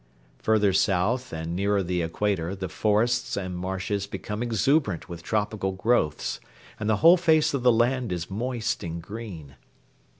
Further south and nearer the Equator the forests and marshes become exuberant with tropical growths, and the whole face of the land is moist and green.